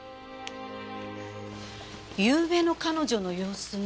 ゆうべの彼女の様子ね。